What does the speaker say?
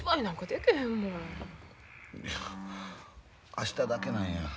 明日だけなんや。